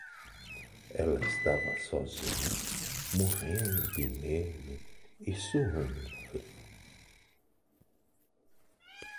Ela estava sozinha, morrendo de medo e suando frio.